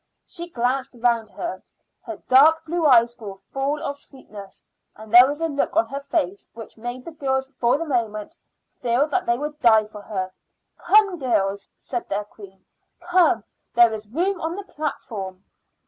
She glanced round her; her dark blue eyes grew full of sweetness, and there was a look on her face which made the girls for the moment feel that they would die for her. "Come, girls," said their queen "come; there is room on the platform."